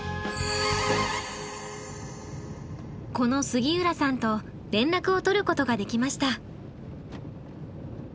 この杉浦さんと連絡を取ることができました。